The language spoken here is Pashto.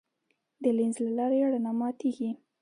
د لینز له لارې رڼا ماتېږي.